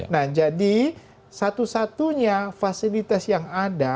nah jadi satu satunya fasilitas yang ada